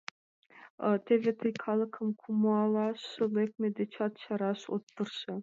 Теве тый калыкым кумалаш лекме дечат чараш от тырше.